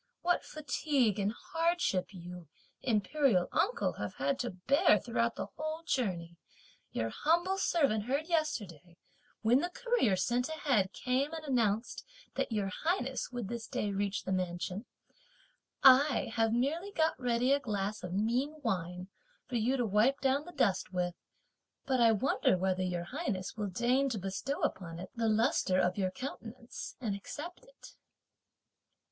What fatigue and hardship you, Imperial uncle, have had to bear throughout the whole journey, your humble servant heard yesterday, when the courier sent ahead came and announced that Your Highness would this day reach this mansion. I have merely got ready a glass of mean wine for you to wipe down the dust with, but I wonder, whether Your Highness will deign to bestow upon it the lustre of your countenance, and accept it."